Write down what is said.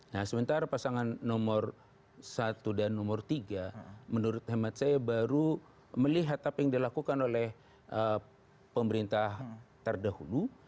nah sementara pasangan nomor satu dan nomor tiga menurut hemat saya baru melihat apa yang dilakukan oleh pemerintah terdahulu